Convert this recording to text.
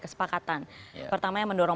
kesepakatan pertama yang mendorong